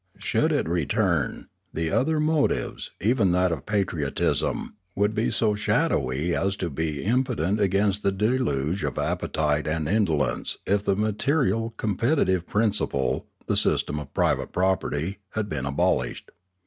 Should it return, the other motives, even that of patriotism, would be so shadowy as to be im Polity 531 potent against the deluge of appetite and indolence if the material competitive principle, the system of private property, had been abolished.